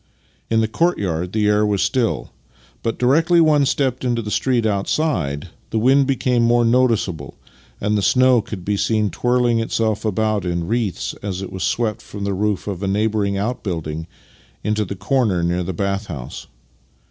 In the courtyard the air was still, but directly one stepped into the street outside the wind became more noticeable and the snow could be seen twirling itself about in wreaths as it was swept from the roof of a neighbouring outbuilding into the corner near the bath house.